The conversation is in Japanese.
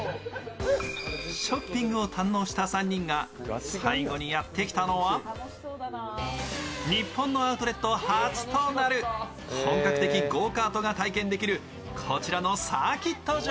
ショッピングを堪能した３人が最後にやってきたのは、日本のアウトレット初となる本格的なゴーカートが体験できるサーキット場。